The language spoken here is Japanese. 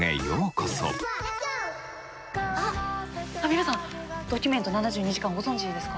皆さん「ドキュメント７２時間」ご存じですか？